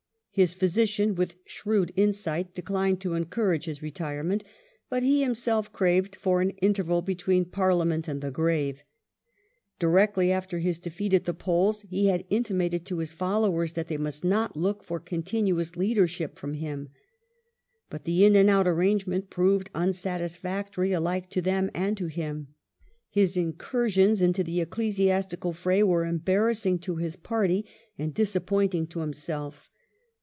His physician, with shrewd insight, declined to encourage his re tirement, but he himself craved for an " interval between Parlia ment and the grave ". Directly after his defeat at the polls he had intimated to his followers that they must not look for continuous leadei ship from him. But the " in and out " arrangement proved unsatisfactory alike to them and to him. His incureions into the ecclesiastical fray were embarrassing to his party and disappointing to himself.